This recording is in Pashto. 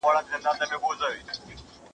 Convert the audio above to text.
ما ستا د پښتو ليکنې په اړه یو ګټور نظر ورکړی.